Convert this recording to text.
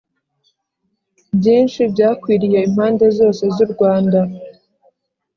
byinshi byakwiriye impande zose z'u rwanda